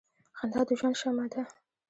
• خندا د ژوند شمع ده.